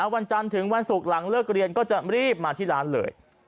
วันจันทร์ถึงวันศุกร์หลังเลิกเรียนก็จะรีบมาที่ร้านเลย